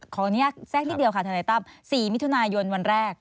ขอเนี่ยแซ่งนิดเดียวค่ะธนายตับ๔มิถุนายนวันแรก